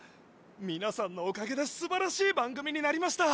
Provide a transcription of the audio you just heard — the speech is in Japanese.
みなさんのおかげですばらしい番組になりました！